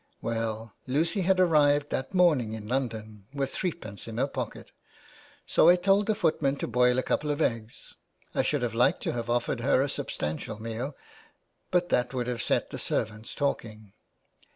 Well, Lucy had arrived that morning in London with threepence in her pocket, so I told the footman to boil a couple of eggs. I should have liked to have offered her a substantial meal, but that would have set the servants talking.